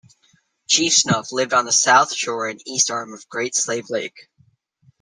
Chief Snuff lived on the south shore and east arm of Great Slave Lake.